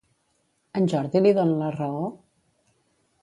En Jordi li dona la raó?